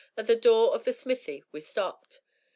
At the door of the smithy we stopped.